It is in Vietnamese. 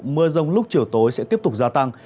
mưa rông lúc chiều tối sẽ tiếp tục gia tăng